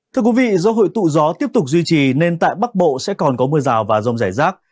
thưa quý vị do hội tụ gió tiếp tục duy trì nên tại bắc bộ sẽ còn có mưa rào và rông rải rác